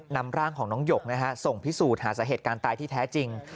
นำร่างของน้องหยกส่งพิสูจน์หาสาเหตุการณ์ตายที่แท้จริง